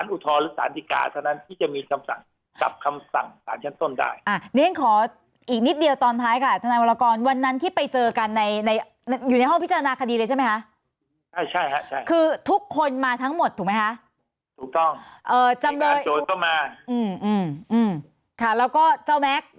ถูกต้องเอ่อจำเลยต้องมาอืมอืมอืมค่ะแล้วก็เจ้าแม็กซ์